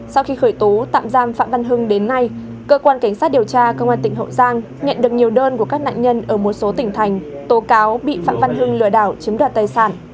sau khi khởi tố tạm giam phạm văn hưng đến nay cơ quan cảnh sát điều tra công an tỉnh hậu giang nhận được nhiều đơn của các nạn nhân ở một số tỉnh thành tố cáo bị phạm văn hưng lừa đảo chiếm đoạt tài sản